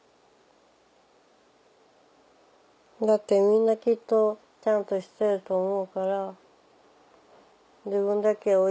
だってみんなきっとちゃんとしてると思うから。